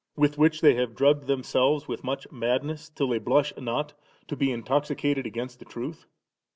with which they have drugged themselves with much madness, till they blush not to be in toxicate against the truth